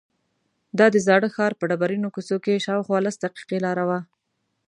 دا د زاړه ښار په ډبرینو کوڅو کې شاوخوا لس دقیقې لاره وه.